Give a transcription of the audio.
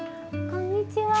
こんにちは。